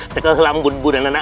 ceklah kelam bun bu dan anak